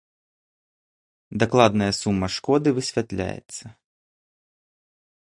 Дакладная сума шкоды высвятляецца.